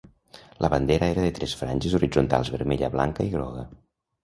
La bandera era de tres franges horitzontals vermella, blanca i groga.